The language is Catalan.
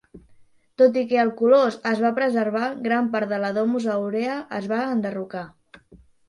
Tot i que el colós es va preservar, gran part de la Domus Aurea es va enderrocar.